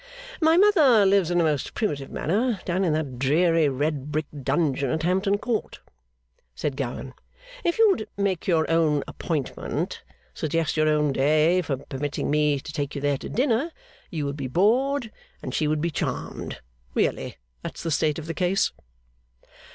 'My mother lives in a most primitive manner down in that dreary red brick dungeon at Hampton Court,' said Gowan. 'If you would make your own appointment, suggest your own day for permitting me to take you there to dinner, you would be bored and she would be charmed. Really that's the state of the case.